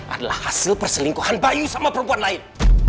adalah hasil perselingkuhan bayu sama perempuan lain